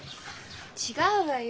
違うわよ。